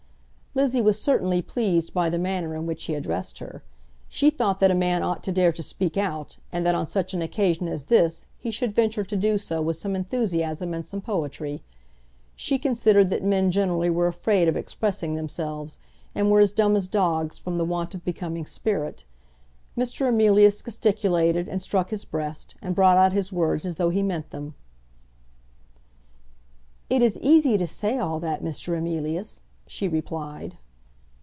Lizzie was certainly pleased by the manner in which he addressed her. She thought that a man ought to dare to speak out, and that on such an occasion as this he should venture to do so with some enthusiasm and some poetry. She considered that men generally were afraid of expressing themselves, and were as dumb as dogs from the want of becoming spirit. Mr. Emilius gesticulated, and struck his breast, and brought out his words as though he meant them. "It is easy to say all that, Mr. Emilius," she replied.